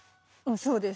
そうです。